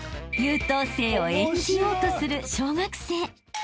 ［優等生を演じようとする小学生］